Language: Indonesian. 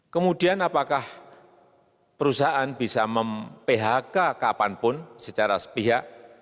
kemudian apakah perusahaan bisa mem phk kapanpun secara sepihak